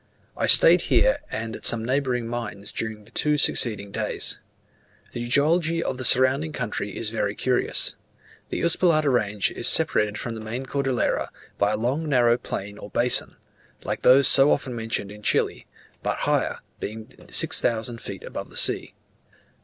I stayed here and at some neighbouring mines during the two succeeding days. The geology of the surrounding country is very curious. The Uspallata range is separated from the main Cordillera by a long narrow plain or basin, like those so often mentioned in Chile, but higher, being six thousand feet above the sea.